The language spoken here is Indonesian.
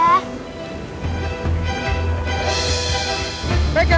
hujannya lebat sekali